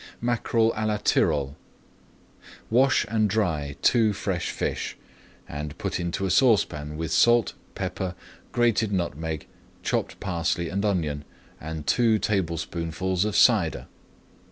MACKEREL À LA TYROL Wash and dry two fresh fish, and put into a saucepan with salt, pepper, grated nutmeg, chopped parsley and onion, and two tablespoonfuls of cider.